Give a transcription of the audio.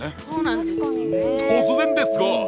そうなんですよね。